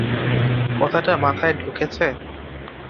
কথাটা মাথায় ঢুকেছে?